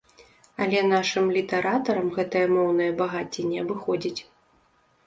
Але нашым літаратарам гэтае моўнае багацце не абыходзіць.